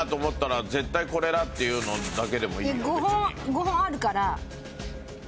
５本あるから。